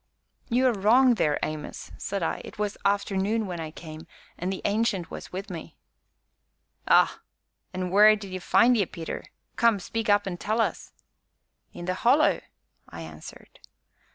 "You are wrong there, Amos," said I, "it was afternoon when I came, and the Ancient was with me." "Ah! an' wheer did 'e find ye, Peter? come, speak up an' tell us." "In the Hollow," I answered.